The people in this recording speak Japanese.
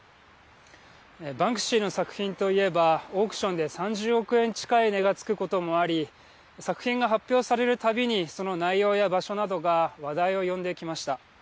バンクシーの作品といえばオークションで３０億円近い値がつくこともあり作品が発表されるたびにその内容や場所などが話題を呼んできました。